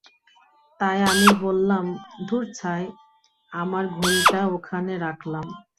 তাই আমি বললাম ধুর ছাই, আমার ঘড়িটা ওখানে রাখলাম।